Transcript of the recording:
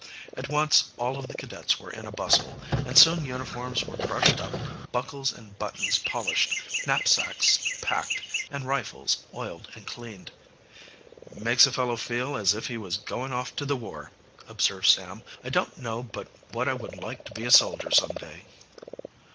At once all of the cadets were in a bustle, and soon uniforms were brushed up, buckles and buttons polished, knapsacks packed, and rifles oiled and cleaned. "Makes a fellow feel as if he was going off to the war!" observed Sam. "I don't know but what I would like to be a soldier some day."